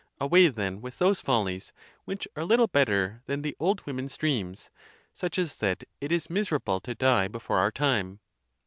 Away, then, with those follies, which are little better than the old women's dreams, such as that it is mis erable to die before our time.